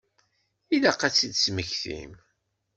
Ilaq ad tt-id-tesmektim.